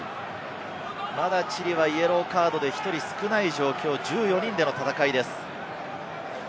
まだチリはイエローカードで１人少ない状況、１４人での戦いです。